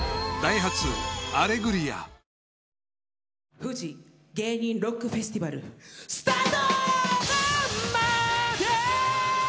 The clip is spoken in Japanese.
フジ芸人ロックフェスティバルスタート！